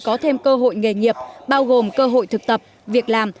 có thêm cơ hội nghề nghiệp bao gồm cơ hội thực tập việc làm